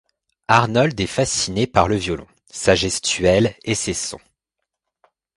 Arnold est fasciné par le violon, sa gestuelle et ses sons.